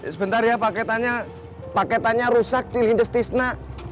sebentar ya paketannya rusak di lindes tisna